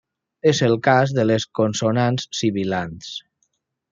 És el cas de les consonants sibilants.